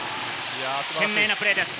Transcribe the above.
懸命なプレーです。